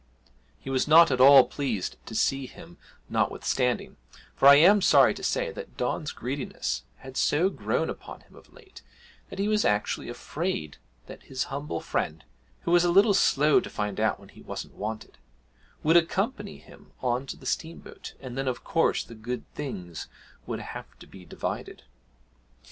He was not at all pleased to see him notwithstanding, for I am sorry to say that Don's greediness had so grown upon him of late that he was actually afraid that his humble friend (who was a little slow to find out when he wasn't wanted) would accompany him on to the steamboat, and then of course the good things would have to be divided.